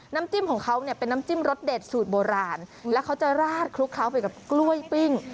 น้ำจิ้มของเขาเนี่ยเป็นน้ำจิ้มรสเด็ดสูตรโบราณแล้วเขาจะราดคลุกเคล้าไปกับกล้วยปิ้ง